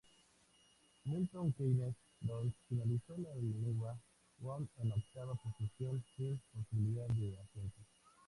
Milton Keynes Dons finalizó la League One en octava posición, sin posibilidad de ascenso.